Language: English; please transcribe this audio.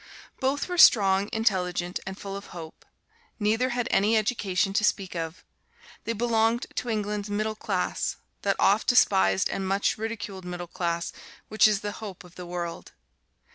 Both were strong, intelligent and full of hope. Neither had any education to speak of; they belonged to England's middle class that oft despised and much ridiculed middle class which is the hope of the world.